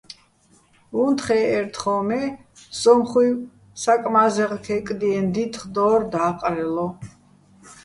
უნთხე́ჸერ თხოჼ, მე სო́მხუჲვ საკმა́ზეღ ქეკდიენო̆ დითხ დო́რ და́ყრელო.